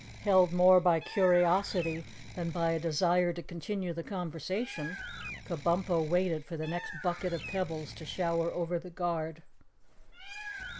Held more by curiosity than by a desire to continue the conversation, Kabumpo waited for the next bucket of pebbles to shower over the guard.